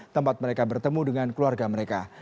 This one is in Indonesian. tempat mereka bertemu dengan keluarga mereka